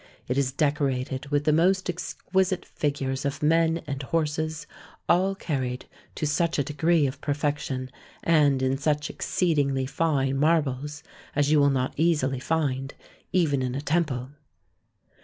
It is decorated with the most exquisite figures of men and horses, all carried to such a degree of perfection, and in such exceedingly fine marbles, as you will not easily find even in a temple.